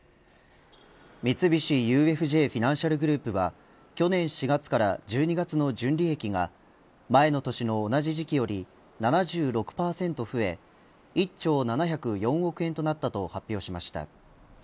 三菱ＵＦＪフィナンシャルグループは去年４月から１２月の純利益が前の年の同じ時期より７６％増え１兆７０４億円となったと発表しました。